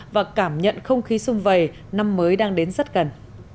và cảm nhận không khí xung vầy năm mới đang đến rất gần